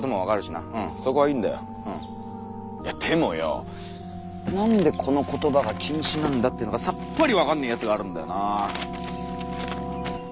いやでもよォなんでこの言葉が禁止なんだってのがさっぱり分かんねーやつがあるんだよなぁ。